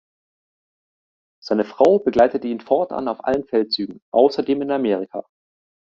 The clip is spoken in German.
Seine Frau begleitete ihn fortan auf allen Feldzügen, außer dem in Amerika.